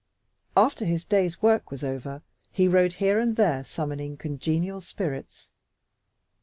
After his day's work was over, he rode here and there summoning congenial spirits.